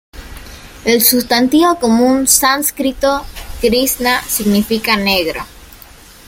El sustantivo común sánscrito "krisna" significa ‘negro’.